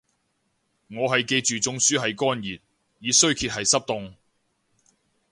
我係記住中暑係乾熱，熱衰竭係濕凍